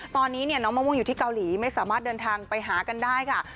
ตอนนี้น้องมะม่วงอยู่ที่เกาหลีไม่สามารถเดินทางไปหากันได้ค่ะ